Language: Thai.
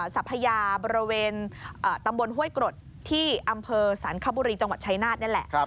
สัพยาบริเวณตำบลห้วยกรดที่อำเภอสรรคบุรีจังหวัดชายนาฏนี่แหละ